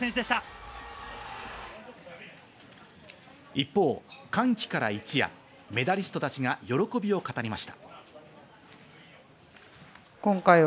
一方、歓喜から一夜、メダリストたちが喜びを語りました。